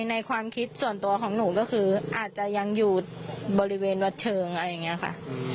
ในความคิดส่วนตัวของหนูก็คืออาจจะยังอยู่บริเวณวัดเชิงอะไรอย่างนี้ค่ะ